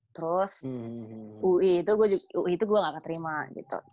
terus ui itu gue gak keterima gitu